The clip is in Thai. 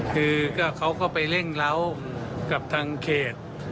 คือเขาก็ไปเร่งเล้ากับทางเขต